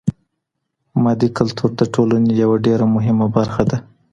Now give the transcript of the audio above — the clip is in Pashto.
مادي کلتور د ټولني يوه ډېره مهمه برخه ده.